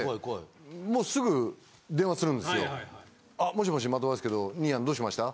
「もしもし的場ですけど兄やんどうしました？」